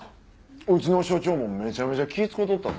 うちの署長もめちゃめちゃ気ぃ使うとったぞ。